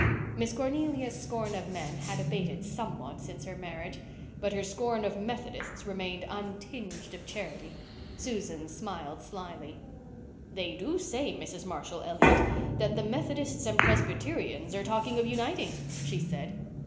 Miss Cornelia's scorn of men had abated somewhat since her marriage, but her scorn of Methodists remained untinged of charity. Susan smiled slyly. "They do say, Mrs. Marshall Elliott, that the Methodists and Presbyterians are talking of uniting," she said.